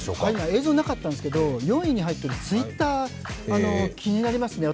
映像になかったんですけど、４位に入ってるＴｗｉｔｔｅｒ気になりますね。